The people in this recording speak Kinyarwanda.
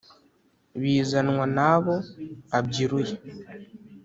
bizanwa n’abo abyiruye